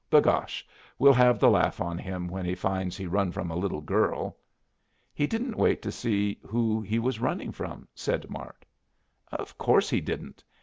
Begosh! we'll have the laugh on him when he finds he run from a little girl." "He didn't wait to see who he was running from," said Mart. "Of course he didn't.